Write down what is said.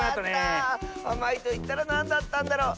あまいといったらなんだったんだろう。